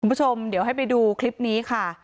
คุณผู้ชมเดี๋ยวให้ไปดูคลิปนี้ค่ะ